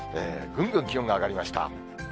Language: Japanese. ぐんぐん気温が上がりました。